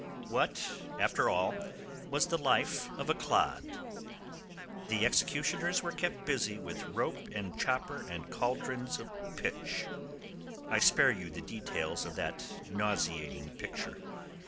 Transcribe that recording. What, after all, was the life of a clod? The executioners were kept busy with rope and chopper and cauldrons of pitch. I spare you the details of that nauseating picture.